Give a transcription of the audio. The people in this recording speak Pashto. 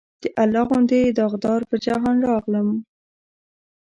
د الله غوندې داغدار پۀ جهان راغلم